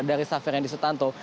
dari safirin disutanto